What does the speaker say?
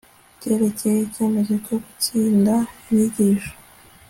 byerekeye icyemezo cyo gutsinda inyigisho